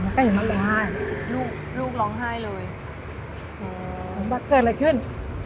มันก็อยู่มาร้องไห้ลูกลูกร้องไห้เลยโอ้โหแต่เกิดอะไรขึ้น